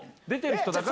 出てる人？